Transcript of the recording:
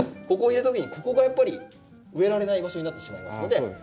ここを入れた時にここがやっぱり植えられない場所になってしまいますので１